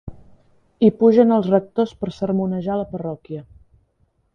Hi pugen els rectors per sermonejar la parròquia.